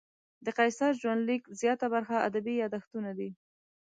د قیصر ژوندلیک زیاته برخه ادبي یادښتونه دي.